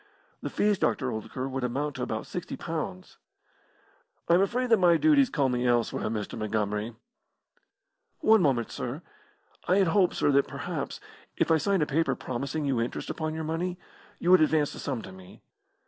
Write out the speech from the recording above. "The fees, Dr. Oldacre, would amount to about sixty pounds." "I am afraid that my duties call me elsewhere, Mr. Montgomery." "One moment, sir! I had hoped, sir, that perhaps, if I signed a paper promising you interest upon your money, you would advance this sum to me.